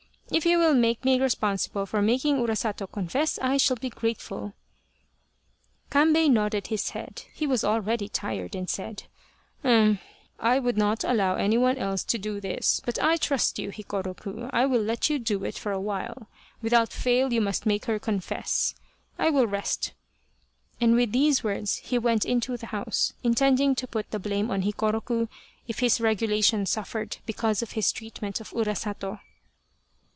If you will make me responsible for making Urasato confess, I shall be grateful." Kambei nodded his head, he was already tired, and said :" Um I would not allow anyone else to do this, but as I trust you Hikoroku, I will let you do it for a while ; without fail you must make her confess, I will rest," and with these words he went into the house, intending to put the blame on Hikoroku if his regulation suffered because of his treatment of Urasato.